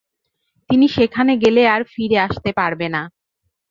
তিনি সেখানে গেলে আর ফিরে আসতে পারবে না।